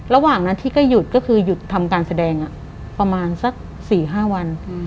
ระหว่างนั้นที่ก็หยุดก็คือหยุดทำการแสดงประมาณสัก๔๕วัน